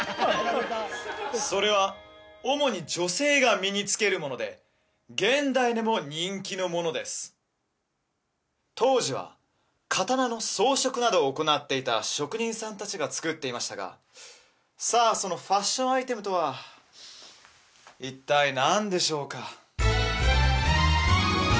それは主に女性が身に着けるもので現代でも人気のものです当時は刀の装飾などを行っていた職人さん達が作っていましたがさあそのファッションアイテムとは一体何でしょうか？